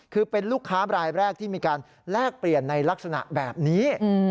คือเป็นลูกค้ารายแรกที่มีการแลกเปลี่ยนในลักษณะแบบนี้